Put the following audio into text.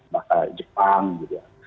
bahkan jepang juga